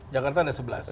jakarta ada sebelas